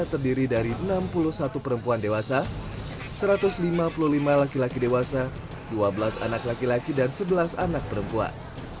terdiri dari enam puluh satu perempuan dewasa satu ratus lima puluh lima laki laki dewasa dua belas anak laki laki dan sebelas anak perempuan